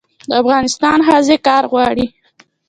د افغانستان ښځې کار غواړي